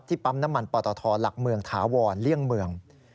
ปั๊มน้ำมันปตทหลักเมืองถาวรเลี่ยงเมือง